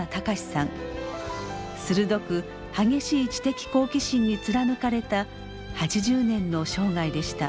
鋭く激しい知的好奇心に貫かれた８０年の生涯でした。